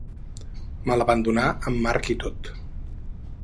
Me la van donar amb marc i tot.